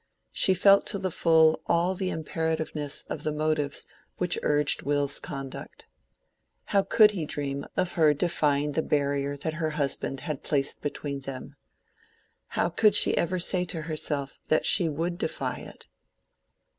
She felt to the full all the imperativeness of the motives which urged Will's conduct. How could he dream of her defying the barrier that her husband had placed between them?—how could she ever say to herself that she would defy it?